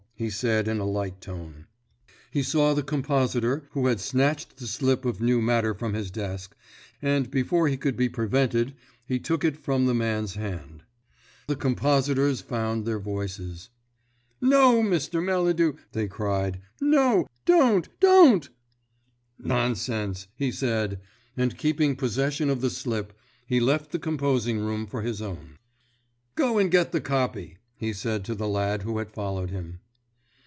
he said in a light tone. He saw the compositor who had snatched the slip of new matter from his desk, and before he could be prevented he took it from the man's hand. The compositors found their voices. "No, Mr. Melladew!" they cried. "No; don't, don't!" "Nonsense!" he said, and keeping possession of the slip, he left the composing room for his own. "Go and get the copy," he said to the lad who had followed him.